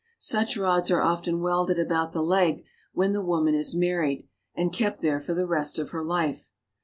Such rods are often welded about the leg when the woman is married, and kept there for the rest of her life.